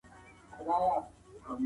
بد دوست تل درواغ وايي